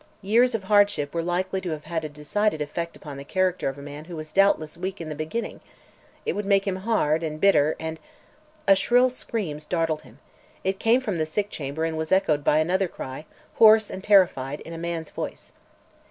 Years of hardship were likely to have had a decided effect upon the character of a man who was doubtless weak in the beginning; it would make him hard, and bitter, and A shrill scream startled him. It came from the sick chamber and was echoed by another cry hoarse and terrified in a man's voice.